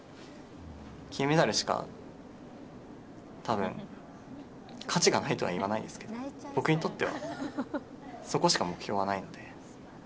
金メダルしか、多分価値がないとは言わないですけど僕にとってはそこしか目標はないので。